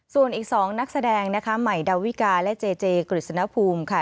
ส่วนอีก๒นักแสดงนะคะใหม่ดาวิกาและเจเจกฤษณภูมิค่ะ